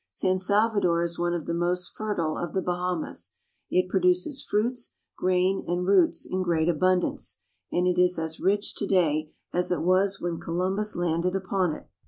San Salvador is one of the most fertile of the Bahamas. It produces fruits, grain, and roots in great abundance, and it is as rich to day as it was when Columbus landed uporv it.